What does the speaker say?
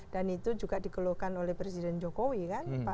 dan itu juga dikeluhkan oleh presiden jokowi kan